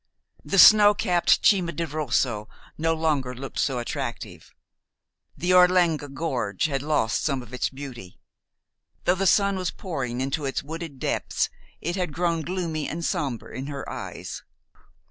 The snow capped Cima di Rosso no longer looked so attractive. The Orlegna Gorge had lost some of its beauty. Though the sun was pouring into its wooded depths, it had grown gloomy and somber in her eyes.